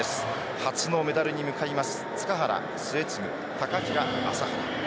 初のメダルに向かいます塚原、末續高平、朝原。